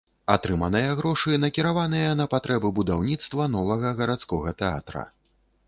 Атрыманыя грошы накіраваныя на патрэбы будаўніцтва новага гарадскога тэатра.